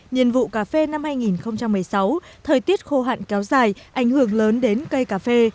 nhiên vụ cà phê năm hai nghìn một mươi sáu thời tiết khô hạn kéo dài ảnh hưởng lớn đến cây cà phê